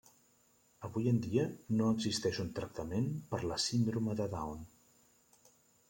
Avui en dia, no existeix un tractament per la Síndrome de Down.